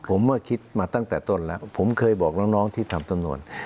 ผมว่าคิดมาตั้งแต่ต้นแล้วผมเคยบอกน้องที่ทำสำนวน